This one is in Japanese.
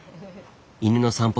犬の散歩